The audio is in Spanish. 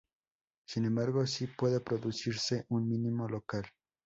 Sin embargo sí puede producirse un mínimo local.